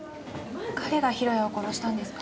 彼が弘也を殺したんですか？